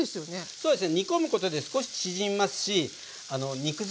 そうですね。